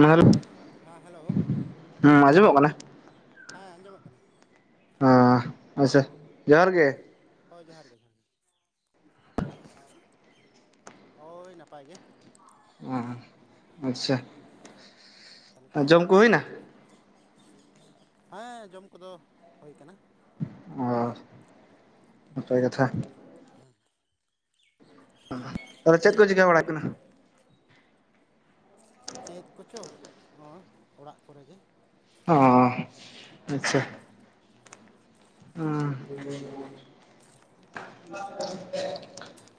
ᱢᱟᱹᱞ ᱦᱮᱸ ᱦᱮᱞᱳ ᱦᱮ ᱟᱸᱡᱚᱢᱚᱜ ᱠᱟᱱᱟ ᱦᱮᱸ ᱟᱡᱚᱢᱚᱜ ᱠᱟᱱᱟ ᱳᱦᱸ ᱟᱪᱪᱷᱟ ᱡᱚᱦᱟᱨ ᱜᱮ ᱦᱳᱭ ᱡᱚᱦᱟᱨ ᱜᱮ ᱡᱚᱦᱟᱨ ᱜᱮ ᱦᱳᱭ ᱱᱟᱯᱟᱭ ᱜᱮ ᱚᱷ ᱟᱪᱪᱷᱟ ᱛᱟᱦᱚᱞᱮ ᱪᱮᱫᱠᱟ ᱡᱚᱢ ᱠᱚ ᱱᱟᱯᱟᱭ ᱦᱩᱭᱱᱟ ᱜᱮᱛᱚ ᱦᱮᱸ ᱡᱚᱢ ᱠᱚ ᱫᱚ ᱦᱳᱭ ᱠᱟᱱᱟ ᱚ ᱱᱟᱯᱟᱭ ᱠᱟᱛᱷᱟ ᱦᱮᱸ ᱛᱟᱦᱚᱞᱮ ᱪᱮᱫ ᱠᱚ ᱪᱤᱠᱟᱹ ᱵᱟᱲᱟ ᱦᱳᱭᱳᱜ ᱠᱟᱱᱟ ᱪᱮᱫ ᱠᱚᱪᱚ ᱳ ᱚᱲᱟᱜ ᱠᱚᱨᱮ ᱜᱮ ᱚ ᱦᱮᱸᱮᱸ [inaudible] ᱦᱩᱸ [unintelligible]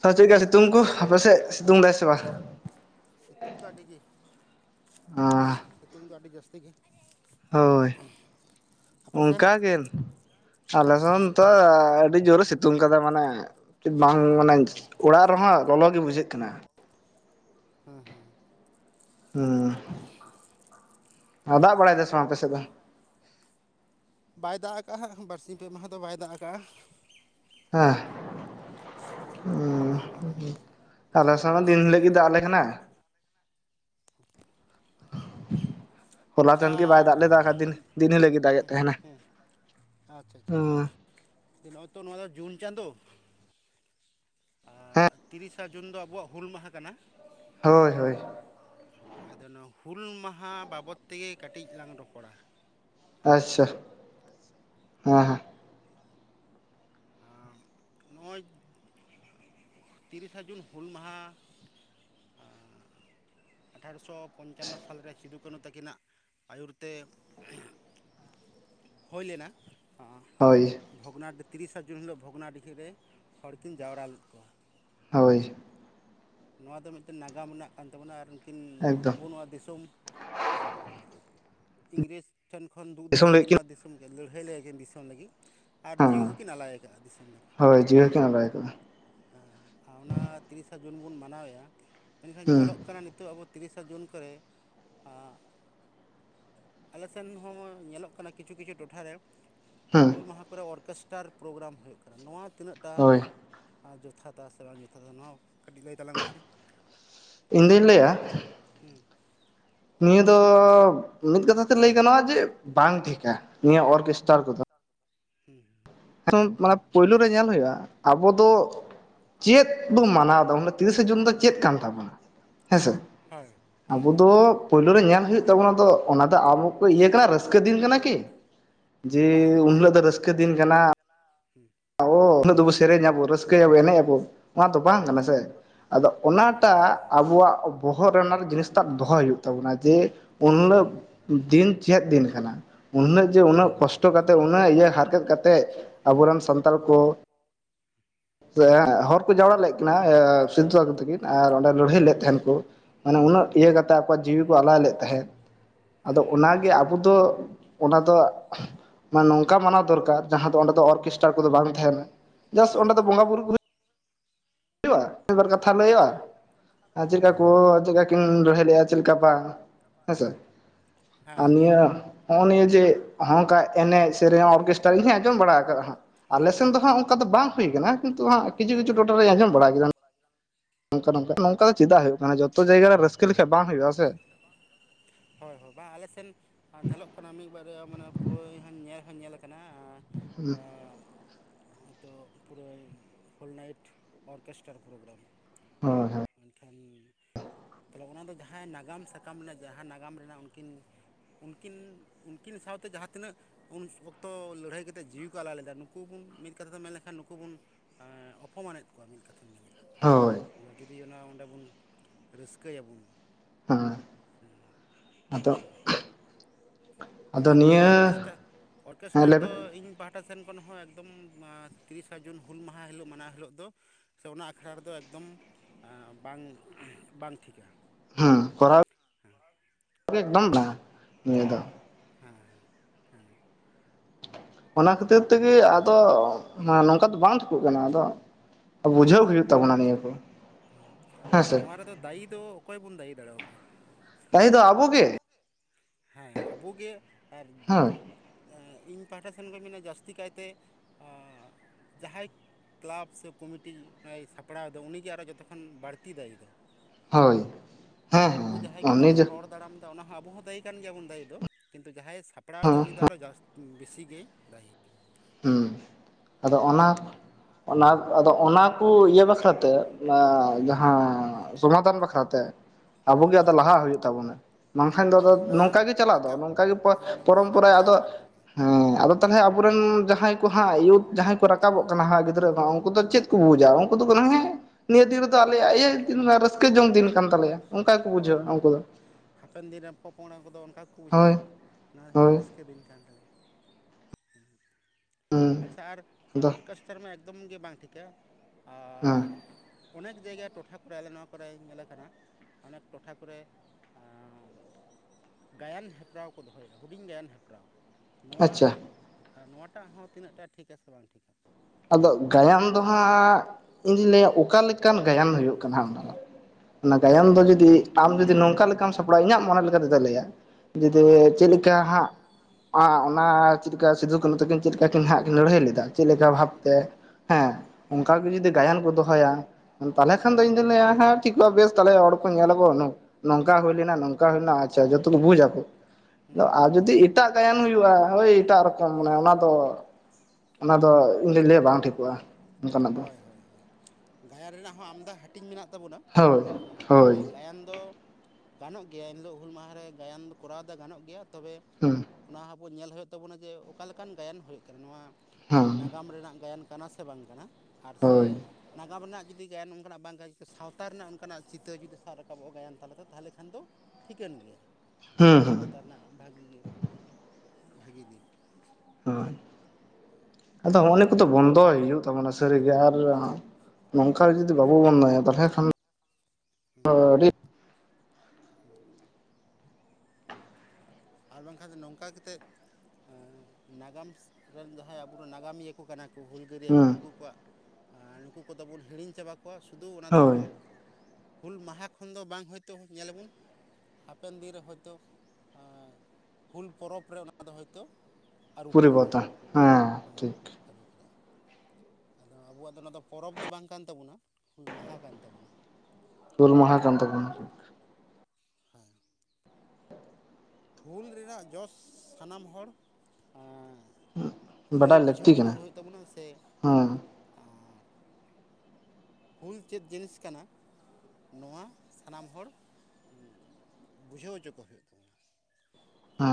ᱛᱚ ᱪᱮᱫ ᱞᱮᱠᱟ ᱥᱤᱛᱩᱢ ᱠᱩ ᱟᱯᱮ ᱥᱮᱫ ᱥᱤᱛᱩᱝ ᱮᱫᱟᱭ ᱥᱮ ᱵᱟᱝ ᱥᱤᱛᱩᱝ ᱫᱚ ᱟᱹᱰᱤᱜᱤ ᱥᱤᱛᱩᱝ ᱫᱚ ᱟᱹᱰᱤ ᱡᱟᱹᱥᱛᱤ ᱜᱮ ᱦᱳᱭ ᱟᱯᱮ ᱥᱮᱱ ᱚᱱᱠᱟ ᱜᱮ ᱟᱞᱮ ᱥᱮᱫ ᱱᱚᱛᱮ ᱟᱹᱰᱤ ᱡᱳᱨ ᱮ ᱥᱤᱛᱩᱝ ᱟᱠᱟᱫᱟ ᱢᱟᱱᱮ ᱪᱮᱫ ᱵᱟᱝ ᱢᱟᱱᱮ ᱦᱮᱸ ᱚᱲᱟᱜ ᱨᱮ ᱦᱚᱸ ᱞᱚᱞᱚ ᱜᱮ ᱵᱩᱡᱷᱟᱹᱜ ᱠᱟᱱᱟ ᱦᱮᱸ ᱦᱮᱸ ᱦᱮᱸ ᱦᱳᱸ ᱟᱨ ᱫᱟᱜ ᱵᱟᱲᱟ ᱮᱫᱟᱭ ᱥᱮ ᱵᱟᱝ ᱟᱯᱮ ᱥᱮᱫ ᱫᱚ ᱵᱟᱭ ᱫᱟᱜ ᱟᱠᱟᱜᱼᱟ ᱦᱟᱸᱜ ᱵᱟᱨᱥᱤᱧ ᱯᱮ ᱢᱟᱦᱟᱸ ᱫᱚ ᱵᱟᱭ ᱫᱟᱜ ᱟᱠᱟᱜᱼᱟ ᱦᱮᱸ ᱮᱢ ᱚᱱᱟ ᱟᱞᱮ ᱛᱮᱜᱮ ᱥᱮᱫ ᱟᱹᱰᱤ ᱢᱟ ᱡᱳᱨ ᱫᱤᱱ ᱥᱤᱛᱩᱝ ᱦᱤᱞᱳᱜ ᱜᱮ ᱠᱟᱱᱟ ᱫᱟᱜ ᱟᱞᱮ ᱠᱟᱱᱟᱭ ᱦᱚᱞᱟ ᱟᱪᱪᱷᱟ ᱪᱟᱸᱫ ᱜᱮ ᱵᱟᱭ ᱫᱟᱜ ᱞᱮᱫᱟ ᱵᱟᱠᱷᱟᱡ ᱫᱤᱱ ᱦᱩ ᱫᱤᱱ ᱦᱤᱞᱳᱜ ᱜᱮ ᱫᱟᱜᱮᱫ ᱦᱮᱸ ᱛᱟᱦᱮᱱᱟ ᱦᱮᱸ ᱟᱪᱪᱷᱟ ᱟᱪᱪᱷᱟ ᱦᱩᱸ ᱱᱚᱜᱼᱚᱭ ᱛᱚ ᱱᱚᱣᱟ ᱫᱚ ᱡᱩᱱ ᱪᱟᱸᱫᱚ ᱟᱹᱻ ᱦᱮᱸ ᱛᱤᱨᱤᱥᱟ ᱡᱩᱱ ᱫᱚ ᱟᱵᱚᱣᱟᱜ ᱦᱩᱞ ᱢᱟᱦᱟᱸ ᱠᱟᱱᱟ ᱦᱳᱭᱼᱦᱳᱭ ᱦᱳᱭ ᱟᱫᱚ ᱱᱚᱣᱟ ᱦᱩᱞ ᱢᱟᱦᱟᱸ ᱵᱟᱵᱚᱛ ᱛᱮᱜᱮ ᱠᱟᱹᱴᱤᱡ ᱞᱟᱝ ᱨᱚᱯᱚᱲᱟ ᱟᱪᱪᱷᱟ ᱟᱪᱪᱷᱟ ᱦᱮᱸ ᱦᱮᱸ ᱟᱻᱢ ᱱᱚᱜᱼᱚᱭ ᱛᱤᱨᱤᱥᱟ ᱡᱩᱱ ᱦᱩᱞ ᱢᱟᱦᱟᱸ ᱟᱹᱻ ᱟᱴᱷᱟᱨᱚᱥᱚ ᱯᱚᱸᱪᱟᱱᱱᱚ ᱥᱟᱞ ᱨᱮ ᱥᱤᱫᱩ ᱠᱟᱱᱦᱩ ᱛᱟᱹᱠᱤᱱᱟᱜ ᱟᱹᱭᱩᱨ ᱛᱮ ᱦᱩᱭ ᱞᱮᱱᱟ ᱦᱚᱸ ᱦᱳᱭ ᱵᱷᱚᱜᱽᱱᱟᱰᱤ ᱛᱤᱨᱤᱥᱟ ᱡᱩᱱ ᱦᱤᱞᱳᱜ ᱵᱷᱚᱜᱽᱱᱟᱰᱤᱦᱤ ᱨᱮ ᱦᱚᱲᱠᱤᱱ ᱡᱟᱣᱨᱟ ᱞᱮᱫ ᱠᱚᱣᱟ ᱦᱳᱭ ᱱᱚᱣᱟ ᱫᱚ ᱢᱤᱫᱴᱮᱱ ᱱᱟᱜᱟᱢ ᱨᱮᱱᱟᱜ ᱠᱟᱱ ᱛᱟᱵᱚᱱᱟ ᱟᱨ ᱩᱱᱠᱤᱱ ᱮᱠᱫᱚᱢ ᱟᱵᱚ ᱱᱚᱣᱟ ᱫᱤᱥᱚᱢ ᱟᱸᱻ ᱤᱝᱨᱮᱡᱽ ᱴᱷᱮᱱ ᱠᱷᱚᱱ ᱫᱩᱜ ᱫᱚᱦᱚ ᱛᱤᱥᱮᱢ ᱞᱟᱹᱭᱮᱫ ᱞᱟᱹᱜᱤᱫ ᱠᱤᱱᱟ ᱱᱚᱣᱟ ᱫᱤᱥᱼᱼ ᱚᱢ ᱞᱟᱹᱲᱦᱟᱹᱭ ᱞᱮᱭᱟᱠᱤᱱ ᱫᱤᱥᱚᱢ ᱞᱟᱹᱜᱤᱫ ᱟᱨ ᱡᱤᱣᱤ ᱦᱮᱸ ᱦᱚᱸᱠᱤᱱ ᱟᱞᱟᱭ ᱟᱠᱟᱫᱼᱟ ᱫᱤᱥᱚᱢ ᱞᱟᱹᱜᱤᱫ ᱦᱳᱭ ᱡᱤᱣᱤ ᱦᱚᱸᱠᱤᱱ ᱟᱞᱟᱭ ᱟᱠᱟᱫᱟ ᱦᱮᱸ ᱦᱮᱸ ᱚᱱᱟ ᱛᱤᱨᱤᱥᱟ ᱡᱩᱱ ᱵᱚᱱ ᱢᱟᱱᱟᱣᱮᱜᱼᱟ ᱢᱮᱱᱠᱷᱟᱱ ᱦᱩᱸ ᱧᱮᱞᱚᱜ ᱠᱟᱱᱟ ᱱᱤᱛᱚᱜ ᱟᱵᱚ ᱛᱤᱨᱤᱥᱟ ᱡᱩᱱ ᱠᱚᱨᱮ ᱟᱹᱻ ᱟᱞᱮ ᱥᱮᱱ ᱦᱚᱸ ᱧᱮᱞᱚᱜ ᱠᱟᱱᱟ ᱠᱤᱪᱷᱩ ᱠᱤᱪᱷᱩ ᱴᱚᱴᱷᱟ ᱨᱮ ᱦᱮᱸ ᱦᱩᱞ ᱢᱟᱦᱟᱸ ᱠᱚᱨᱮ ᱚᱨᱠᱮᱥᱴᱟᱨ ᱯᱨᱳᱜᱨᱟᱢ ᱦᱩᱭᱩᱜ ᱠᱟᱱᱟ ᱱᱚᱣᱟ ᱛᱤᱱᱟᱹᱜ ᱴᱟᱜ ᱦᱳᱭ ᱡᱚᱛᱷᱟᱛᱼᱟ ᱥᱮ ᱵᱟᱝ ᱡᱚᱛᱷᱟᱛᱟ ᱱᱚᱣᱟ ᱠᱟᱹᱴᱤᱡ ᱞᱟᱹᱭ ᱛᱟᱞᱟᱝ ᱢᱮᱥᱮ? ᱤᱧ ᱫᱩᱧ ᱞᱟᱹᱭᱟ ᱦᱮᱸ ᱱᱤᱭᱟᱹ ᱫᱚᱻ ᱢᱤᱫ ᱠᱟᱛᱷᱟ ᱛᱮ ᱞᱟᱹᱭ ᱜᱟᱱᱚᱜᱼᱟ ᱡᱮ ᱵᱟᱝ ᱴᱷᱤᱠᱟ ᱱᱤᱭᱟᱹ ᱚᱨᱠᱮᱥᱴᱟᱨ ᱠᱚᱫᱚ ᱦᱩᱸ ᱦᱩᱸᱦᱩᱸ ᱮᱠᱷᱚᱱ ᱢᱟᱱᱮ ᱯᱳᱭᱞᱳ ᱨᱮ ᱧᱮᱞ ᱦᱩᱭᱩᱜᱼᱟ ᱟᱵᱚ ᱫᱚ ᱪᱮᱫ ᱵᱚᱱ ᱢᱟᱱᱟᱣ ᱮᱫᱟ ᱚᱱᱟ ᱛᱤᱨᱤᱥᱮ ᱡᱩᱱ ᱫᱚ ᱪᱮᱫ ᱠᱟᱱ ᱛᱟᱵᱚᱱᱟ ᱦᱮᱸᱥᱮ ᱦᱳᱭ ᱦᱩᱸ ᱟᱵᱚ ᱦᱩᱸ ᱫᱚᱻ ᱯᱩᱭᱞᱳ ᱨᱮ ᱧᱮᱞ ᱦᱩᱭᱩᱜ ᱛᱟᱵᱚᱱᱟ ᱫᱚ ᱚᱱᱟ ᱫᱚ ᱟᱵᱚ ᱠᱚ ᱤᱭᱟᱹ ᱠᱟᱱᱟ ᱨᱟᱹᱥᱠᱟᱹ ᱫᱤᱱ ᱠᱟᱱᱟ ᱠᱤ ᱡᱮ ᱵᱟᱝ ᱩᱱ ᱵᱟᱝ ᱦᱤᱞᱟᱹᱜ ᱫᱚ ᱨᱟᱹᱥᱠᱟᱹ ᱫᱤᱱ ᱠᱟᱱᱟ [unintelligible] [unintelligible] ᱩᱱᱟᱹᱜ ᱫᱚᱵᱚ ᱥᱮᱨᱮᱧᱟᱵᱚ ᱨᱟᱹᱥᱠᱟᱹᱭᱟᱵᱚ ᱮᱱᱮᱡ ᱟᱵᱚ ᱚᱱᱟ ᱫᱚ ᱵᱟᱝ ᱠᱟᱱᱟ ᱥᱮ ᱟᱫᱚ ᱦᱮᱸ ᱚᱱᱟᱴᱟᱜ ᱦᱮᱸ ᱟᱵᱚᱣᱟᱜ ᱵᱚᱦᱚᱜ ᱨᱮ ᱚᱱᱟ ᱡᱤᱱᱤᱥ ᱴᱟᱜ ᱫᱚᱦᱚ ᱦᱩᱭᱩᱜ ᱛᱟᱵᱚᱱᱟ ᱡᱮ ᱩᱱ ᱦᱤᱞᱳᱜ ᱫᱤᱱ ᱪᱮᱫ ᱫᱤᱱ ᱠᱟᱱᱟ ᱩᱱᱟᱹᱜ ᱡᱮ ᱩᱱᱟᱹᱜ ᱠᱚᱥᱴᱚ ᱠᱟᱛᱮᱜ ᱩᱱᱟᱹᱜ ᱤᱭᱟᱹ ᱦᱟᱨᱠᱮᱛ ᱠᱟᱛᱮᱜ ᱟᱵᱚᱨᱮᱱ ᱥᱟᱱᱛᱟᱲ ᱛᱟᱨ ᱠᱚ ᱪᱮ ᱦᱚᱨ ᱦᱚᱲ ᱠᱚ ᱡᱟᱣᱨᱟ ᱞᱮᱫ ᱠᱤᱱᱟ ᱥᱤᱫᱩᱩ ᱠᱟᱱᱩ ᱛᱟᱹᱠᱤᱱ ᱟᱨ ᱚᱸᱰᱮ ᱞᱟᱹᱲᱦᱟᱹᱭ ᱞᱮᱫ ᱛᱟᱦᱮᱱ ᱠᱚ᱾ ᱢᱟᱱᱮ ᱩᱱᱟᱹᱜ ᱤᱭᱟᱹ ᱠᱟᱛᱮ ᱟᱠᱚᱣᱟᱜ ᱡᱤᱣᱤ ᱠᱚ ᱟᱞᱟᱭ ᱞᱮᱫ ᱛᱟᱦᱮᱸᱫ᱾ ᱟᱫᱚ ᱚᱱᱟᱜᱮ ᱟᱵᱚ ᱫᱚ ᱚᱱᱟ ᱫᱚ᱾ ᱚᱱᱟ ᱱᱚᱝᱠᱟ ᱢᱟᱱᱟᱣ ᱫᱚᱨᱠᱟᱨ ᱡᱟᱦᱟᱸ ᱫᱚ ᱚᱸᱰᱮ ᱫᱚ ᱚᱨᱠᱮᱥᱴᱟᱨ ᱠᱚᱫᱚ ᱵᱟᱝ ᱛᱟᱦᱮᱱᱟ ᱡᱟᱥᱴ ᱦᱩᱸ ᱦᱩᱸ ᱚᱸᱰᱮ ᱫᱚ ᱦᱩᱸ ᱦᱩᱸ ᱵᱚᱸᱜᱟ ᱵᱩᱨᱩ ᱠᱚᱜᱮ᱾ ᱦᱩᱭᱩᱜ ᱢᱤᱫᱵᱟᱨ ᱠᱟᱛᱷᱟ ᱞᱟᱹᱭᱼᱟ ᱟᱨ ᱪᱮᱫ ᱞᱮᱠᱟ ᱠᱚ ᱦᱩᱸ ᱠᱤᱱ ᱞᱟᱹᱲᱦᱚᱭ ᱞᱮᱫᱼᱟ ᱪᱮᱫ ᱞᱮᱠᱟ ᱵᱟᱝ ᱦᱮᱸᱥᱮ ᱦᱮᱸ ᱟᱨ ᱦᱮᱸ ᱱᱤᱭᱟᱹ᱾ ᱱᱚᱭᱼᱚᱭ ᱱᱤᱭᱟᱹ ᱡᱮ ᱱᱚ ᱱᱚᱝᱠᱟ ᱮᱱᱮᱡ ᱥᱮᱨᱮᱧ ᱚᱨᱠᱮᱥᱴᱟᱨ ᱤᱧ ᱦᱚᱸ ᱟᱸᱚᱢ ᱵᱟᱲᱟ ᱟᱠᱟᱫ ᱦᱟᱜ ᱟᱞᱮ ᱦᱩᱸ ᱥᱮᱱ ᱫᱚ ᱦᱟᱸᱜ ᱱᱚᱠᱟ ᱫᱚ ᱵᱟᱝ ᱦᱩᱭ ᱠᱟᱱᱟ ᱠᱤᱱᱛᱩ ᱚᱱᱟ ᱠᱤᱪᱷᱩ ᱠᱤᱪᱷᱩ ᱴᱚᱴᱷᱟᱨᱮᱧ ᱟᱸᱡᱚᱢ ᱵᱟᱲᱟ ᱠᱮᱫᱟ ᱱᱚᱝᱠᱟᱝᱠᱟ ᱱᱚᱝᱠᱟ ᱪᱮᱫᱟᱜ ᱦᱩᱭᱩᱜᱭᱟ ᱢᱟᱱᱮ ᱡᱚᱛ ᱡᱜᱟ ᱨᱮ ᱨᱥᱠᱟᱹ ᱞᱮᱠᱷᱮ ᱵᱟᱝ ᱦᱩᱭᱩᱜᱼᱟ ᱥᱮᱸ ᱦᱳᱭ ᱦᱳᱭ ᱵᱟᱝ ᱟᱞᱮ ᱥᱮᱱ ᱟᱨ ᱧᱮᱞᱚᱜ ᱠᱟᱱᱟ ᱢᱤᱫ ᱵᱟᱨ ᱢᱟᱱᱮ ᱯᱩᱨᱟᱹᱧ ᱧᱮᱞ ᱦᱚᱸᱧ ᱧᱮᱞ ᱟᱠᱟᱱᱟ ᱦᱮᱸ ᱦᱚᱶ ᱛᱚ ᱯᱩᱨᱟᱹ ᱦᱳᱞ ᱱᱟᱭᱤᱴ ᱚᱨᱠᱮᱥᱴᱨᱟ ᱯᱨᱳᱜᱨᱟᱢ ᱦᱳᱭ ᱦᱳᱭ ᱠᱷᱟᱞᱤ ᱛᱚᱞᱮ ᱚᱱᱟ ᱫᱚ ᱡᱟᱦᱟᱸᱭ ᱱᱟᱜᱟᱢ ᱥᱟᱠᱟᱢ ᱨᱮᱱᱟᱜ ᱡᱟᱦᱟᱸ ᱱᱟᱜᱟᱢ ᱨᱮᱱᱟᱜ ᱩᱱᱠᱤᱱ ᱩᱱᱠᱤᱱ ᱩᱱᱠᱤᱱ ᱥᱟᱶᱛᱮ ᱡᱟᱦᱟᱸ ᱛᱤᱱᱟᱹᱜ᱾ ᱩᱱ ᱚᱠᱛᱚ ᱞᱟᱹᱲᱦᱟᱹᱭ ᱠᱟᱛᱮᱫ ᱡᱤᱣᱤ ᱠᱚ ᱟᱞᱟᱭ ᱞᱮᱫᱟ ᱱᱩᱠᱩ ᱵᱚᱱ ᱢᱤᱫ ᱠᱟᱛᱷᱟ ᱛᱮ ᱢᱮᱱ ᱞᱮᱠᱷᱟᱱ ᱱᱩᱠᱩ ᱵᱚᱱ ᱦᱮᱸ ᱚᱯᱚᱢᱟᱱᱮᱫ ᱠᱚᱣᱟ ᱢᱤᱫ ᱠᱟᱛᱷᱟᱢ ᱢᱮᱱ ᱞᱮᱠᱷᱟᱱ ᱦᱳᱭ ᱡᱩᱫᱤ ᱚᱱᱟ ᱚᱸᱰᱮ ᱵᱚᱱ ᱨᱟᱹᱥᱠᱟᱹᱭᱟᱵᱚᱱ ᱦᱮᱸ ᱦᱮᱸ ᱟᱫᱚ ᱟᱫᱚ ᱟᱪᱷᱟ ᱱᱚᱣᱟ ᱱᱤᱭᱟᱹ ᱚᱨᱠᱮᱥᱴᱟᱨ ᱦᱮᱸ ᱚᱨᱠᱮᱥᱴᱟᱨ ᱞᱟᱹᱭ ᱢᱮ ᱫᱚ ᱤᱧ ᱯᱟᱦᱴᱟ ᱥᱮᱱ ᱠᱷᱚᱱ ᱦᱚᱸ ᱮᱠᱫᱚᱢ ᱛᱤᱨᱤᱥᱟ ᱡᱩᱱ ᱦᱩᱞ ᱢᱟᱦᱟ ᱦᱤᱞᱳᱜ ᱢᱟᱱᱟᱣ ᱦᱤᱞᱳᱜ ᱫᱚ ᱥᱮ ᱚᱱᱟ ᱟᱠᱷᱲᱟ ᱨᱮᱫᱚ ᱮᱠᱫᱚᱢ ᱵᱟᱝ ᱵᱟᱝ ᱴᱷᱤᱠᱟ᱾ ᱦᱮᱸ ᱠᱚᱨᱟᱣ ᱮᱠᱫᱚᱢ ᱵᱟᱝ ᱱᱤᱭᱟᱹ ᱫᱚ ᱦᱮᱸ ᱦᱮᱸ ᱚᱱᱟ ᱠᱷᱟᱹᱛᱤᱨ ᱛᱮᱜᱮ ᱟᱫᱚ ᱱᱚᱝᱠᱟ ᱫᱚ ᱵᱟᱝ ᱴᱷᱤᱠᱚᱜ ᱠᱟᱱᱟ ᱟᱫᱚ᱾ ᱵᱩᱡᱟᱹᱣ ᱦᱩᱭᱩᱜ ᱛᱵᱱᱟ ᱱᱤᱭᱟᱹ ᱠᱚ᱾ ᱦᱩ ᱟᱫᱚ ᱦᱮᱸᱥᱮ ᱱᱚᱣᱟ ᱟᱫᱚ ᱫᱟᱭᱤ ᱫᱚ ᱚᱠᱚᱭ ᱵᱚᱱ ᱫᱟᱹᱭᱤ ᱫᱟᱲᱮ ᱟᱠᱚᱣᱟ? ᱫᱟᱭᱤ ᱫᱚ ᱟᱵᱩ ᱜᱮ᱾ ᱦᱮᱸ ᱟᱵᱚᱜᱮ ᱮᱸᱫ ᱦᱮᱸ ᱦᱳᱭ ᱤᱧ ᱯᱟᱦᱴᱟ ᱥᱮᱱ ᱠᱷᱚᱱ ᱢᱮᱱᱟ ᱡᱟᱹᱥᱛᱤ ᱠᱟᱭᱛᱮ ᱡᱟᱦᱟᱸᱭ᱾ ᱠᱞᱟᱵᱽ ᱥᱮ ᱠᱚᱢᱤᱴᱤ ᱥᱟᱯᱲᱟᱣ ᱮᱫᱟ ᱩᱱᱤᱜᱮ ᱟᱨᱚ ᱡᱚᱛᱚ ᱠᱷᱚᱱ ᱵᱟᱹᱲᱛᱤ ᱫᱟᱭᱤ ᱫᱚ᱾ ᱦᱳᱭ ᱟᱨ ᱦᱮᱸ ᱟᱵᱚ ᱡᱟᱦᱟᱸᱭ ᱦᱮᱸ ᱠᱚ ᱩᱱᱤ ᱡᱚ ᱵᱟᱵᱚᱱ ᱨᱚᱲ ᱫᱟᱲᱟᱢ ᱚᱱᱟ ᱦᱚᱸᱚᱸ ᱟᱵᱚ ᱦᱚᱸ ᱫᱟᱹᱭᱤ ᱠᱟᱱ ᱜᱮᱭᱟ ᱵᱚᱱ ᱫᱟᱹᱭᱤ ᱫᱚ ᱠᱤᱱᱛᱩ ᱡᱟᱦᱟᱸᱭᱮ ᱥᱟᱯᱲᱟᱣ ᱦᱮᱸ ᱮᱫᱟ ᱩᱱᱤ ᱫᱚ ᱟᱨᱚ ᱡᱟᱥᱛᱤ᱾ ᱵᱮᱥᱤ ᱜᱮ ᱫᱟᱭᱤ᱾ ᱦᱩᱸ ᱟᱫᱚ ᱚᱱᱟ᱾ ᱚᱱᱟ ᱟᱫᱚ ᱚᱱᱟᱠᱩ ᱤᱭᱟᱹ ᱵᱟᱠᱷᱨᱟᱛᱮ ᱚᱱᱟ ᱦᱩᱸ ᱡᱟᱦᱟᱸ ᱥᱚᱢᱟᱫᱷᱟᱱ ᱵᱟᱠᱷᱨᱟ᱾ ᱛᱮ ᱟᱵᱚ ᱜᱮ ᱦᱩᱸ ᱞᱟᱦᱟᱜ ᱦᱩᱭᱩᱜ ᱛᱟᱵᱚᱱᱟ᱾ ᱵᱟᱝᱠᱷᱟᱱ ᱫᱚ ᱟᱫᱚ ᱦᱳᱭ ᱚᱱᱟ ᱱᱚᱝᱠᱟᱜᱮ ᱪᱟᱞᱟᱜ ᱫᱚ ᱴᱮᱠᱟᱣ ᱱᱚᱝᱠᱟᱜᱮ ᱦᱮᱸ ᱱᱚᱝᱠᱟ ᱚᱱᱟ ᱯᱚᱨᱚᱢᱯᱚᱨᱟᱭ ᱴᱮᱠᱟᱣ ᱟᱫᱚ᱾ ᱫᱟᱨᱟᱢ ᱦᱩᱭᱩᱜᱼᱟ ᱦᱮᱸ ᱟᱫᱚ ᱛᱟᱦᱚᱞᱮ ᱟᱵᱚᱨᱮᱱ ᱡᱟᱦᱟᱸᱭ ᱠᱚ ᱦᱟᱸᱜ ᱤᱭᱩᱛ ᱡᱟᱦᱟᱸᱭ ᱠᱚ ᱨᱟᱠᱟᱵᱚᱜ ᱠᱟᱱᱟ ᱦᱟᱸᱜ ᱜᱤᱫᱽᱨᱟᱹ ᱠᱚ ᱩᱱᱠᱩ ᱫᱚ ᱪᱮᱫ ᱠᱚ ᱵᱩᱡᱟ ᱩᱱᱠᱩ ᱫᱚ ᱦᱮᱸ ᱱᱤᱭᱟᱹ ᱫᱤᱱ ᱨᱮᱫᱚ ᱟᱞᱮᱭᱟᱜ ᱨᱟᱹᱥᱠᱟᱹ ᱡᱚᱝ ᱫᱤᱱ ᱠᱟᱱ ᱛᱟᱞᱮᱭᱟ᱾ ᱚᱱᱠᱟ ᱜᱮᱠᱚ ᱦᱳᱭ ᱵᱩᱡᱷᱟᱹᱣᱟ ᱦᱚᱭ ᱩᱱᱠᱩ ᱫᱚ ᱦᱚᱭ ᱦᱟᱯᱮᱱ ᱫᱤᱱ ᱨᱮᱱ ᱯᱚᱼᱯᱚᱝᱲᱟ ᱠᱚᱫᱚ ᱚᱱᱠᱟ ᱜᱮ ᱠᱚᱠᱚ ᱵᱩᱡᱷᱟᱹᱣ ᱦᱳᱭ ᱧᱟᱢᱟ ᱱᱚᱣᱟ ᱫᱚ ᱢᱤᱫᱴᱮᱱ ᱦᱳᱭ ᱨᱟᱹᱥᱠᱟᱹ ᱫᱤᱱ ᱠᱟᱱ ᱛᱟᱞᱮᱭᱟ ᱦᱩᱸ ᱟᱪᱪᱷᱟ ᱟᱨ ᱟᱫᱚ ᱚᱨᱠᱮᱥ ᱚᱨᱠᱮᱥᱴᱟᱨ ᱢᱟ ᱮᱠᱫᱚᱢ ᱜᱮ ᱵᱟᱝ ᱴᱷᱤᱠᱟ ᱟᱨ ᱦᱮᱸ ᱚᱱᱮᱠ ᱡᱟᱭᱜᱟ ᱴᱚᱴᱷᱟ ᱠᱚᱨᱮ ᱟᱞᱮ ᱱᱚᱣᱟ ᱠᱚᱨᱮ ᱧᱮᱞᱮ ᱠᱟᱱᱟ᱾ ᱚᱱᱮᱠ ᱴᱚᱴᱷᱟ ᱠᱚᱨᱮ ᱜᱟᱭᱟᱱ ᱦᱮᱯᱨᱟᱣ ᱠᱚ ᱫᱚᱦᱚᱭᱟ ᱦᱩᱰᱤᱧ ᱜᱟᱭᱟᱱ ᱦᱮᱯᱨᱟᱣ ᱱᱚᱣᱟ ᱟᱪᱪᱷᱟ ᱱᱚᱣᱟᱴᱟᱜ ᱦᱚᱸ ᱛᱤᱱᱟᱹᱜ ᱴᱟ ᱴᱷᱤᱠ ᱟᱥᱮ ᱵᱟᱝ ᱴᱷᱤᱠᱟ ᱟᱫᱚ ᱜᱟᱭᱟᱱ ᱫᱚ ᱦᱟᱸᱜ ᱤᱧ ᱫᱩᱧ ᱞᱟᱹᱭᱟ ᱚᱠᱟ ᱞᱮᱠᱟᱱ ᱜᱟᱭᱟᱱ ᱦᱩᱭᱩᱜ ᱠᱟᱱᱟ ᱚᱱᱟ ᱫᱚ ᱚᱱᱟ ᱜᱟᱭᱟᱱ ᱫᱚ ᱦᱮᱸ ᱡᱩᱫᱤ ᱟᱢ ᱡᱩᱫᱤ ᱱᱚᱝᱠᱟ ᱦᱩᱸ ᱦᱩᱸ ᱞᱮᱠᱟᱢ ᱥᱟᱯᱲᱟᱣᱟ ᱤᱧᱟᱹᱜ ᱢᱚᱱᱮ ᱞᱮᱠᱟ ᱛᱮᱫᱚ ᱞᱟᱹᱭᱟ ᱦᱩᱸ ᱡᱩᱫᱤ ᱪᱮᱫ ᱞᱤ ᱠᱟ ᱦᱟᱸᱜ ᱚᱱᱟ ᱪᱮᱫ ᱞᱮᱠᱟ ᱥᱤᱫᱩ ᱠᱟᱹᱱᱦᱩ ᱛᱟᱹᱠᱤᱱ ᱪᱮᱫ ᱞᱮᱠᱟ ᱠᱤᱱ ᱞᱟᱹᱲᱦᱟᱹᱭ ᱞᱮᱫᱟ ᱪᱮᱫ ᱞᱮᱠᱟ ᱦᱩᱸ ᱛᱮ ᱦᱮᱸ ᱦᱩᱸ ᱚᱱᱠᱟ ᱜᱮ ᱡᱩᱫᱤ ᱜᱟᱭᱟᱱ ᱠᱚ ᱫᱚᱦᱚᱭᱟ ᱛᱟᱞᱦᱮ ᱠᱷᱟᱱ ᱫᱚ ᱤᱧ ᱫᱚᱧ ᱞᱟᱹᱭᱟ ᱦᱮᱸ ᱴᱷᱤᱠ ᱵᱮᱥ ᱛᱟᱞᱦᱮ ᱦᱚᱲ ᱠᱚ ᱧᱮᱞ ᱟᱠᱚ ᱱᱚᱝᱠᱟ ᱦᱩᱭ ᱞᱮᱱᱟ ᱱᱚᱝᱠᱟ ᱦᱩᱭ ᱞᱮᱱᱟ ᱟᱪᱪᱷᱟ ᱡᱚᱛᱚ ᱠᱚ ᱵᱩᱡᱟᱚ ᱟᱨ ᱦᱩᱸ ᱡᱩᱫᱤ ᱮᱴᱟᱜ ᱜᱟᱭᱟᱱ ᱦᱩᱭᱩᱜᱼᱟ ᱦᱳᱭ ᱮᱴᱟᱜ ᱨᱚᱠᱚᱢ ᱢᱟᱱᱮ ᱚᱱᱟ ᱫᱚ ᱚᱱᱟ ᱫᱚ ᱤᱧ ᱫᱩᱧ ᱞᱟᱹᱭᱟ ᱴᱷᱤᱠᱚᱜᱼᱟ ᱵᱟᱝ ᱦᱩᱭᱩᱜᱼᱟ ᱚᱱᱠᱟᱱᱟᱜ ᱫᱚ ᱦᱳᱭ ᱦᱳᱭ ᱜᱟᱭᱟᱱ ᱨᱮᱱᱟᱜ ᱦᱚᱸ ᱟᱢᱫᱟ ᱦᱟᱹᱴᱤᱧ ᱢᱮᱱᱟᱜ ᱛᱟᱵᱚᱱᱟ ᱦᱳᱭ ᱦᱳᱭ ᱛᱚᱵᱮ ᱜᱟᱭᱟᱱ ᱫᱚ ᱜᱟᱱᱚᱜ ᱜᱮᱭᱟ ᱮᱱ ᱦᱤᱞᱳᱜ ᱦᱩᱞ ᱢᱟᱦᱟ ᱨᱮ ᱜᱟᱭᱟᱱ ᱠᱚᱨᱟᱣ ᱫᱚ ᱜᱟᱱᱚᱜ ᱜᱮᱭᱟ ᱛᱚᱵᱮ ᱦᱮᱸ ᱚᱱᱟ ᱟᱵᱚ ᱧᱮᱞ ᱦᱩᱭᱩᱜ ᱛᱟᱵᱚᱱᱟ ᱡᱮ ᱚᱠᱟ ᱞᱮᱠᱟᱱ ᱜᱟᱭᱟᱱ ᱦᱩᱭᱩᱜ ᱠᱟᱱᱟ ᱱᱚᱣᱟ ᱦᱩᱸ ᱱᱟᱜᱟᱢ ᱨᱮᱱᱟᱜ ᱜᱟᱭᱟᱱ ᱠᱟᱱᱟ ᱥᱮ ᱵᱟᱝ ᱠᱟᱱᱟ ᱟᱨ ᱥᱮ ᱦᱳᱭ ᱱᱟᱜᱟᱢ ᱨᱮᱱᱟᱜ ᱡᱩᱫᱤ ᱜᱟᱭᱟᱱ ᱚᱱᱠᱟᱱᱟᱜ ᱵᱟᱝ ᱠᱟᱱᱟ ᱡᱩᱫᱤ ᱥᱟᱶᱛᱟ ᱨᱮᱱᱟᱜ ᱚᱱᱠᱟᱱᱟᱜ ᱪᱤᱛᱟᱹᱨ ᱡᱩᱫᱤ ᱥᱟᱵ ᱨᱟᱠᱟᱵᱚᱜᱼᱟ ᱜᱟᱭᱟᱱ ᱛᱟᱞᱟᱛᱮ ᱛᱟᱦᱚᱞᱮ ᱠᱷᱟᱱ ᱫᱚ ᱴᱷᱤᱠᱟᱹᱱ ᱜᱮᱭᱟ ᱦᱩᱸ ᱦᱩᱸ ᱥᱟᱶᱛᱟ ᱨᱮᱱᱟᱜ ᱵᱷᱟᱹᱜᱤ ᱵᱷᱟᱹᱜᱤ ᱫᱤᱠ ᱦᱳᱭ ᱟᱫᱚ ᱦᱚᱸᱜᱼᱚ ᱱᱤᱭᱟ ᱠᱚᱫᱚ ᱵᱚᱱᱫᱚ ᱦᱩᱭᱩᱜ ᱛᱟᱵᱚᱱᱟ ᱥᱟᱹᱨᱤ ᱜᱮ ᱟᱨ ᱱᱚᱝᱠᱟ ᱡᱩᱫᱤ ᱵᱟᱵᱚ ᱵᱚᱱᱫᱚᱭᱟ ᱛᱟᱦᱚᱞᱮ ᱠᱷᱟᱱ ᱦᱤᱸ ᱫᱚ ᱟᱹᱰᱤ ᱦᱤᱸᱻ ᱟᱨ ᱵᱟᱝᱠᱷᱟᱡ ᱫᱚ ᱱᱚᱝᱠᱟ ᱠᱟᱛᱮᱫ ᱦᱮ ᱱᱟᱜᱟᱢ ᱨᱮᱱ ᱡᱟᱦᱟᱸᱭ ᱟᱵᱩᱨᱮᱱ ᱱᱟᱜᱟᱢᱤᱭᱟᱹ ᱠᱩ ᱠᱟᱱᱟ ᱠᱩ ᱦᱩᱞ ᱜᱟᱹᱨᱤᱭᱟᱹ ᱠᱚ ᱦᱩᱸ ᱱᱩᱠᱩ ᱠᱚᱣᱟᱜ ᱱᱩᱠᱩ ᱠᱚᱫᱚ ᱵᱚᱱ ᱦᱤᱲᱤᱧ ᱪᱟᱵᱟ ᱠᱚᱣᱟ ᱥᱩᱫᱷᱩ ᱚᱱᱟ ᱫᱚ ᱦᱳᱭ ᱦᱩᱞ ᱢᱟᱦᱟ ᱠᱷᱚᱱ ᱫᱚ ᱵᱟᱝ ᱦᱚᱭᱛᱚ ᱧᱮᱞᱟᱵᱚᱱ ᱦᱟᱯᱮᱱ ᱫᱤᱱ ᱨᱮ ᱦᱚᱭᱛᱚ ᱟ. ᱦᱩᱞ ᱯᱚᱨᱚᱵᱽ ᱨᱮ ᱚᱱᱟ ᱫᱚ ᱦᱚᱭᱛᱚ ᱯᱩᱨᱤᱵᱚᱨᱛᱚᱱ ᱦᱮᱸ ᱴᱷᱤᱠ ᱟᱹᱨᱩ ᱯᱷᱮᱨᱟᱜ-ᱟ ᱟᱫᱚ ᱟᱵᱚᱣᱟᱜ ᱫᱚ ᱱᱚᱣᱟ ᱫᱚ ᱯᱚᱨᱚᱵᱽ ᱫᱚ ᱵᱟᱝ ᱠᱟᱱ ᱛᱟᱵᱚᱱᱟ ᱦᱩᱞ ᱢᱟᱦᱟ ᱠᱟᱱ ᱛᱟᱵᱚᱱᱟ ᱦᱩᱞ ᱢᱟᱦᱟ ᱠᱟᱱ ᱛᱟᱵᱚᱱᱟ ᱦᱮᱸ ᱦᱩᱞ ᱨᱮᱱᱟᱜ ᱡᱚᱥ ᱥᱟᱱᱟᱢ ᱦᱚᱲ ᱞᱟᱹᱭ ᱵᱟᱰᱟᱭ ᱵᱩᱡᱷᱟᱹᱣ ᱞᱟᱹᱠᱛᱤ ᱠᱚ ᱠᱟᱱᱟ ᱦᱩᱭᱩᱜ ᱛᱟᱵᱚᱱᱟ ᱥᱮ ᱮ ᱦᱮᱸ ᱦᱩᱞ ᱪᱮᱫ ᱡᱤᱱᱤᱥ ᱠᱟᱱᱟ ᱱᱚᱣᱟ ᱥᱟᱱᱟᱢ ᱦᱚᱲ ᱵᱩᱡᱷᱟᱹᱣ ᱦᱚᱪᱚ ᱠᱚ ᱦᱩᱭᱩᱜ ᱛᱟᱵᱚᱱᱟ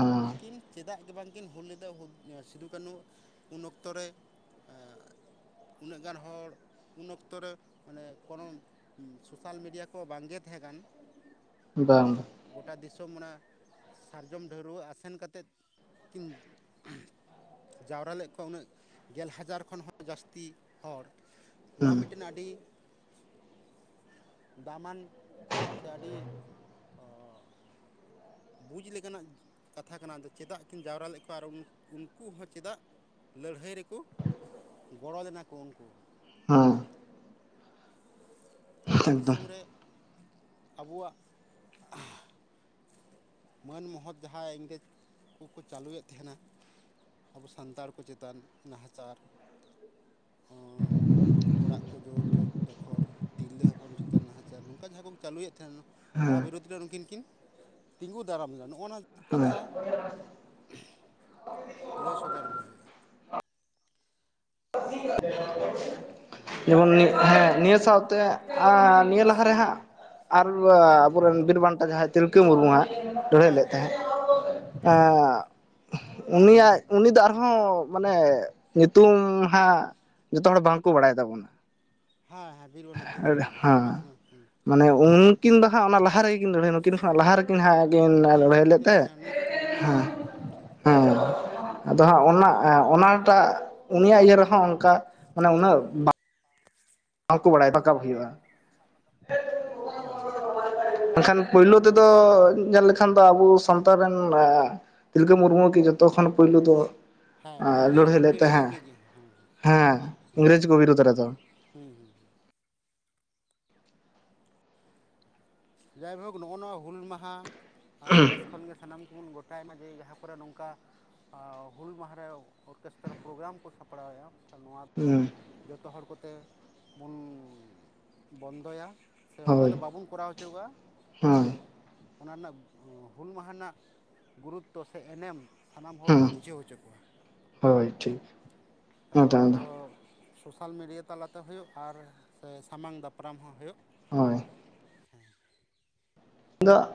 ᱟᱨ ᱱᱩᱠᱤᱱ ᱪᱮᱫᱟᱜ ᱱᱩᱠᱤᱱ ᱢᱟ ᱠᱤᱱ ᱦᱩᱞ ᱞᱮᱫᱟ ᱥᱤᱫᱩᱼ ᱠᱟᱹᱱᱩ ᱩᱱ ᱚᱠᱛᱚ ᱨᱮ ᱩᱱᱟᱹᱜ ᱜᱟᱱ ᱦᱚᱲ ᱩᱱ ᱚᱠᱛᱚᱨ ᱨᱮ ᱢᱟᱱᱮ ᱠᱚᱱᱚ ᱥᱚᱥᱟᱞ ᱢᱤᱰᱤᱭᱟ ᱠᱚ ᱵᱟᱝ ᱜᱮ ᱛᱟᱦᱮᱸ ᱠᱟᱱ ᱵᱟᱝ ᱜᱚᱴᱟ ᱫᱤᱥᱚᱢ ᱢᱟᱱᱮ ᱥᱟᱨᱡᱚᱢ ᱰᱷᱟᱹᱣᱨᱟᱹᱜ ᱟᱥᱮᱱ ᱠᱟᱛᱮᱫ ᱠᱤᱱ ᱡᱟᱣᱨᱟ ᱞᱮᱫ ᱠᱚᱣᱟ ᱩᱱᱟᱹᱜ ᱜᱮᱞ ᱦᱟᱡᱟᱨ ᱠᱷᱚᱱ ᱦᱚᱸ ᱡᱟᱹᱥᱛᱤ ᱦᱚᱲ ᱱᱚᱣᱟ ᱦᱮᱸ ᱢᱤᱫᱴᱤᱱ ᱟᱹᱰᱤ ᱫᱟᱢᱟᱱ ᱥᱮ ᱟᱹᱰᱤ ᱵᱩᱡᱽ ᱞᱮᱠᱟᱱᱟᱜ ᱠᱟᱛᱷᱟ ᱠᱟᱱᱟ ᱟᱫᱚ ᱪᱮᱫᱟᱜ ᱠᱤᱱ ᱡᱟᱣᱨᱟ ᱞᱮᱫ ᱠᱚᱣᱟ ᱟᱨ ᱩᱱᱠᱩ ᱦᱚᱸ ᱪᱮᱫᱟᱜ ᱞᱟᱹᱲᱦᱟᱹᱭ ᱨᱮᱠᱩ ᱜᱚᱲᱚ ᱞᱮᱱᱟ ᱠᱚ ᱩᱱᱠᱩ ᱦᱮᱸ ᱱᱚᱣᱟ ᱮᱠᱫᱚᱢ ᱫᱤᱥᱚᱢ ᱨᱮ ᱟᱵᱚᱣᱟᱜ ᱢᱟᱹᱱ ᱢᱚᱦᱚᱛ ᱡᱟᱸᱦᱟ ᱤᱝᱨᱮᱡᱽ ᱠᱚᱠᱩ ᱪᱟᱹᱞᱩᱭᱮᱫ ᱛᱟᱦᱮᱸᱱᱟ ᱟᱵᱚ ᱥᱟᱱᱛᱟᱲ ᱠᱚ ᱪᱮᱛᱟᱱ ᱱᱟᱦᱟᱪᱟᱨ ᱦᱟᱸ ᱚᱲᱟᱜ ᱠᱚ ᱡᱳᱨ [unintelligible] ᱛᱤᱨᱞᱟᱹ ᱦᱚᱯᱚᱱ ᱪᱮᱛᱟᱱ ᱱᱟᱦᱟᱪᱟᱨ ᱱᱚᱝᱠᱟ ᱡᱟᱸᱦᱟ ᱠᱚ ᱪᱟᱹᱞᱩᱭᱮᱫ ᱛᱟᱦᱮᱱᱟ ᱱᱚᱣᱟ ᱦᱮᱸ ᱵᱤᱨᱩᱫᱽ ᱨᱮ ᱩᱱᱠᱤᱱ ᱠᱤᱱ ᱛᱤᱸᱜᱩ ᱫᱟᱨᱟᱢ ᱞᱮᱱᱟ ᱱᱚᱜᱚᱱᱚᱣᱟ ᱠᱟᱛᱷᱟ, [unintelligible] ᱞᱟᱹᱭ ᱥᱚᱫᱚᱨ ᱟᱠᱚ ᱦᱳᱭᱳᱜᱼᱟ᱾ [unintelligible] [inaudible] ᱦᱟᱹ ᱦᱮᱸ [unintelligible] ᱱᱤᱭᱟᱹ ᱥᱟᱶᱛᱮ ᱟ. ᱱᱤᱭᱟᱹ ᱞᱟᱦᱟ ᱨᱮ ᱦᱟᱸᱜ ᱟᱨ ᱟᱵᱚᱨᱮᱱ ᱵᱤᱨ ᱵᱟᱱᱴᱟ ᱡᱟᱦᱟᱸᱭ ᱛᱤᱞᱠᱟᱹ ᱢᱩᱨᱢᱩᱦᱟᱜ ᱞᱟᱹᱲᱦᱟᱹᱭ ᱦᱳᱭ ᱞᱮᱫ ᱛᱟᱦᱮᱸᱫ᱾ ᱦᱮᱸ ᱦᱮᱸ [unintelligible] ᱩᱱᱤᱭᱟᱜ ᱩᱱᱤ ᱫᱚ ᱟᱨᱦᱚᱸ ᱢᱟᱱᱮ ᱧᱩᱛᱩᱢ ᱦᱟᱸᱜ, ᱡᱷᱚᱛᱚ ᱦᱚᱲ ᱵᱟᱝᱠᱚ ᱵᱟᱲᱟᱭ ᱛᱟᱵᱚᱱᱟ᱾ ᱦᱮᱸ ᱦᱮᱸ ᱵᱤᱨᱵᱟᱱᱴᱟ ᱛᱤᱞᱠᱟᱹ ᱢᱟᱹᱡᱷᱤ ᱦᱮᱸ ᱢᱮᱜᱦᱩᱜᱭ ᱦᱩ ᱢᱟᱱᱮ ᱩᱱᱠᱤᱱ ᱫᱚ ᱦᱟᱸᱜ ᱚᱱᱟᱞᱟᱦᱟ ᱨᱮᱜᱮ ᱠᱤᱱ ᱞᱟᱹᱲᱦᱟᱹᱭ ᱱᱩᱠᱤᱱ ᱠᱷᱚᱱᱟᱜ ᱞᱟᱦᱟ ᱨᱮᱠᱤᱱ ᱦᱟᱸᱜ ᱠᱤᱱ ᱦᱮᱸ ᱞᱟᱹᱲᱦᱟᱹᱭ ᱩᱱᱤ ᱞᱮᱫ ᱫᱚ ᱛᱟᱦᱮᱸᱫ ᱦᱮᱸ ᱩᱱᱤ ᱠᱷᱚᱱ ᱦᱮᱸ᱾ ᱞᱟᱦᱟᱨᱮ ᱴᱷᱤᱠ ᱦᱮᱸ ᱟᱫᱚ ᱦᱟᱸᱜ ᱚᱱᱟ ᱚᱱᱟᱴᱟᱜ ᱩᱱᱤᱭᱟᱜ ᱤᱭᱟᱹ ᱨᱮᱦᱚᱸ ᱚᱱᱠᱟ ᱢᱟᱱᱮ ᱩᱱᱟᱹᱜ ᱵᱟᱝ ᱵᱟᱠᱚ ᱵᱟᱲᱟᱭᱟᱠᱟ [unintelligible] ᱦᱩᱭᱩᱜᱼᱟ᱾ ᱦᱳᱭ ᱦᱳᱭ [unintelligible] ᱮᱠᱷᱟᱱ ᱯᱳᱭᱞᱳ ᱱᱚᱣᱟ ᱛᱮᱫᱚ ᱧᱮᱞᱮ ᱠᱷᱟᱱ ᱫᱚ ᱟᱵᱚ ᱥᱟᱱᱛᱟᱲ ᱨᱮᱱ ᱛᱤᱞᱠᱟᱹ ᱢᱩᱨᱢᱩ ᱠᱤ ᱡᱷᱚᱛᱚ ᱠᱷᱚᱱ ᱯᱳᱭᱞᱳ ᱫᱚ ᱦᱮᱸ ᱟᱸ ᱯᱳᱭᱞᱳ ᱞᱟᱹᱲᱦᱟᱹᱭ ᱦᱩᱞ ᱞᱮᱫ ᱜᱟᱹᱨᱭᱟᱹ ᱫᱚ ᱛᱟᱦᱮᱸᱫ ᱩᱱᱤᱜᱮ ᱦᱮᱸ ᱦᱮᱸ ᱦᱩᱸ ᱦᱮᱸ ᱤᱝᱨᱮᱡᱽ ᱠᱚ ᱵᱤᱨᱩᱫᱷ ᱨᱮᱫᱚ ᱦᱮᱸ ᱦᱮᱸ ᱦᱮᱸ ᱡᱟᱭᱦᱳᱠ ᱱᱚᱜᱼᱚ ᱱᱚᱣᱟ ᱦᱩᱞ ᱢᱟᱦᱟ ᱱᱮᱥ ᱠᱷᱚᱱᱜᱮ ᱥᱟᱱᱟᱢ ᱠᱩ ᱵᱚᱱ ᱜᱚᱴᱟᱭ ᱢᱟ ᱡᱮ ᱡᱟᱦᱟᱸ ᱠᱚᱨᱮ ᱱᱚᱝᱠᱟ [unintelligible] ᱦᱩᱞ ᱢᱟᱦᱟ ᱨᱮ ᱚᱨᱠᱮᱥᱴᱨᱟᱨ ᱯᱨᱳᱜᱨᱟᱢ ᱠᱚ ᱥᱟᱯᱲᱟᱣᱮᱫᱼᱟ᱾ ᱠᱷᱟᱱ ᱱᱚᱣᱟ ᱫᱚ ᱦᱩᱸ ᱡᱚᱛᱚ ᱦᱚᱲ ᱠᱚᱛᱮ ᱵᱚᱱ ᱵᱚᱱᱫᱚᱭᱟ᱾ ᱥᱮ ᱚᱱᱠᱟ ᱦᱳᱭ ᱫᱚ ᱵᱟᱵᱚᱱ ᱠᱚᱨᱟᱣ ᱦᱚᱪᱚᱣᱟ ᱦᱮᱸ ᱠᱚᱣᱟ᱾ ᱚᱱᱟ ᱨᱮᱱᱟᱜ ᱦᱩᱞ ᱢᱟᱦᱟ ᱨᱮᱱᱟᱜ ᱜᱩᱨᱩᱛᱛᱚ ᱥᱮ ᱮᱱᱮᱢ ᱥᱟᱱᱟᱢ ᱦᱚᱲ ᱦᱮᱸ ᱵᱚᱱ ᱵᱩᱡᱷᱟᱹᱣ ᱦᱚᱪᱚ ᱠᱚᱣᱟ, ᱦᱳᱭ ᱴᱷᱤᱠ ᱛᱟᱛᱮ ᱱᱚᱣᱟ ᱫᱚ ᱥᱳᱥᱟᱞ ᱢᱤᱰᱤᱭᱟ ᱛᱟᱞᱟᱛᱮ ᱦᱩᱭᱩᱜ, ᱟᱨ ᱥᱮ ᱥᱟᱢᱟᱝ ᱫᱟᱯᱨᱟᱢ ᱦᱚᱸ ᱦᱩᱭᱩᱜ ᱦᱳᱭ ᱦᱮᱸ ᱫᱚᱜ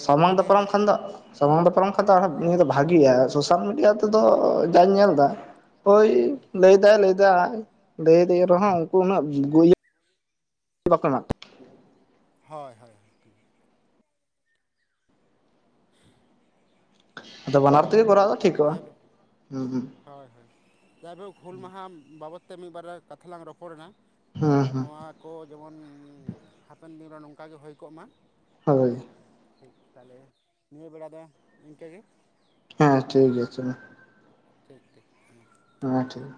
ᱥᱟᱢᱟᱝ ᱚᱱᱠᱟᱜᱮ ᱫᱟᱯᱟᱨᱚᱢ ᱠᱷᱟᱱ ᱫᱚ, ᱥᱟᱢᱟᱝ ᱫᱚ ᱯᱟᱨᱚᱢ ᱠᱷᱟᱡ ᱫᱚ ᱟᱨᱦᱚ ᱵᱷᱟᱜᱤᱭᱟ ᱥᱳᱥᱟᱞ ᱢᱤᱰᱤᱭᱟ ᱛᱮᱫᱚ ᱡᱟᱧ ᱧᱮᱞ ᱮᱫᱟ ᱦᱳᱭ ᱞᱟᱹᱭᱫᱟᱭ ᱞᱟᱹᱭ ᱫᱟᱭ ᱞᱟᱹᱭ ᱫᱤᱧ ᱨᱮᱦᱚᱸ ᱩᱱᱠᱩ ᱩᱱᱟᱹᱜ [unintelligible] ᱵᱟᱠᱚ ᱮᱢᱟᱜ ᱠᱚᱣᱟ ᱦᱚᱭ ᱦᱚᱭ ᱦᱳᱭ [inaudible] ᱟᱫᱚ ᱵᱟᱱᱟᱨ ᱛᱮᱜᱮ ᱠᱚᱨᱟᱣ ᱫᱚ ᱴᱷᱤᱠᱚᱜᱼᱟ ᱡᱟᱭᱦᱳᱠ [unintelligible] ᱦᱳᱭ ᱦᱳᱭ ᱡᱟᱭᱦᱳᱠ ᱦᱩᱞ ᱢᱟᱦᱟ ᱵᱟᱵᱚᱫ ᱛᱮ ᱢᱤᱫ ᱵᱟᱨ ᱠᱟᱛᱷᱟ ᱞᱟᱝ ᱨᱚᱯᱚᱲᱮᱱᱟ, ᱦᱩᱸ ᱦᱩᱸ ᱱᱚᱣᱟ ᱠᱚ ᱡᱮᱢᱚᱱ ᱦᱟᱯᱮᱱ ᱫᱤᱱ ᱨᱮ ᱱᱚᱝᱠᱟᱟᱜᱮ ᱦᱩᱭ ᱠᱚᱜ ᱢᱟ᱾ ᱦᱳᱭ ᱦᱮ ᱴᱷᱤᱠ ᱛᱟᱦᱞᱮ ᱱᱤᱭᱟᱹ ᱵᱮᱲᱟ ᱫᱚ ᱤᱱᱠᱟ. ᱜᱮ᱾ ᱦᱮᱸ ᱴᱷᱤᱠ ᱟᱪᱷᱮ ᱢᱟ᱾ ᱴᱷᱤᱠ ᱴᱷᱤᱠ ᱦᱚ ᱴᱷᱤᱠ